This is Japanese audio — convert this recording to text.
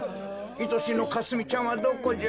いとしのかすみちゃんはどこじゃ？